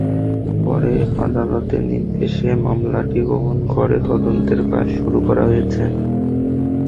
পরে আদালতের নির্দেশে মামলাটি গ্রহণ করে তদন্তের কাজ শুরু করা হয়েছে।